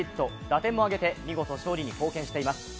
打点も挙げて、見事、勝利に貢献しています。